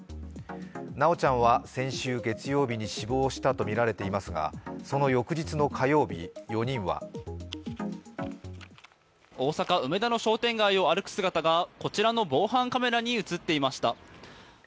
修ちゃんは先週月曜日に死亡したとみられていますが、その翌日の火曜日、４人は大阪・梅田の商店街を歩く姿がこちらの防犯カメラに映っていました。